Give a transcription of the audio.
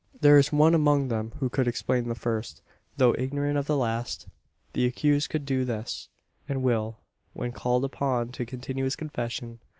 There is one among them who could explain the first though ignorant of the last. The accused could do this; and will, when called upon to continue his confession.